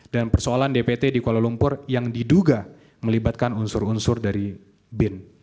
dan persoalan dpt di kuala lumpur yang diduga melibatkan unsur unsur dari bin